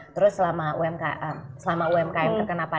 terus selama umkm terkena pandemi juga kita ada yang namanya bantuan bpum